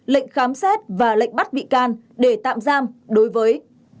lệnh khám xét và lệnh bắt bị can để tạm giam đối với